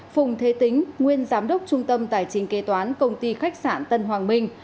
phùng thế tính nguyên giám đốc trung tâm tài chính kế toán công ty khách sạn tân hoàng minh